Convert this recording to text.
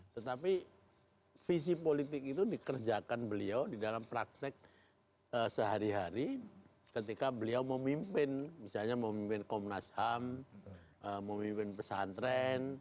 tetapi visi politik itu dikerjakan beliau di dalam praktek sehari hari ketika beliau memimpin misalnya memimpin komnas ham memimpin pesantren